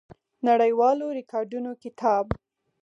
نړیوالو ریکارډونو کتاب